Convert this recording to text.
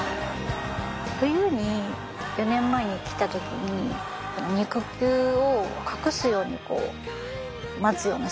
冬に４年前に来た時に肉球を隠すようにこう待つようなしぐさだったり。